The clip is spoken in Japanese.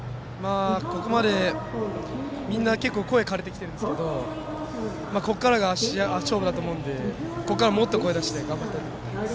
ここまでみんな結構声、かれてきてるんですけどここからが勝負だと思うのでここから、もっと声出して頑張りたいと思います。